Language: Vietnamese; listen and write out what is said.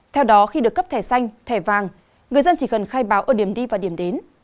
theo đó khi được cấp thẻ xanh thẻ vàng người dân chỉ cần khai báo ở điểm đi và điểm đến